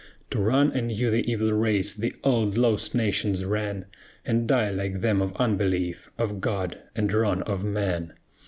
To run anew the evil race the old lost nations ran, And die like them of unbelief of God, and wrong of man?